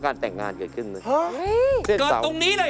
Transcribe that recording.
เกิดตรงนี้นะ